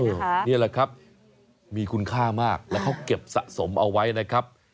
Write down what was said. นี่แหละครับมีคุณค่ามากแล้วเขาเก็บสะสมเอาไว้นะครับ